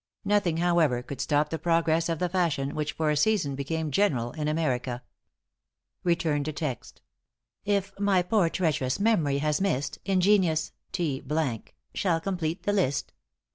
Nothing, however, could stop the progress of the fashion, which for a season became general in America.= ```If my poor treacherous memory has missed, ```Ingenious T l shall complete the list.